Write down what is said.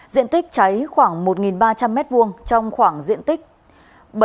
diện tích cháy khoảng một ba trăm linh m hai trong khoảng diện tích bảy m hai